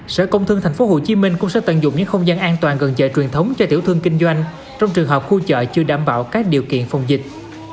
sở công thương tp hcm cũng sẽ tận dụng những không gian an toàn gần chợ truyền thống cho tiểu thương kinh doanh trong trường hợp khu chợ chưa đảm bảo các điều kiện phòng dịch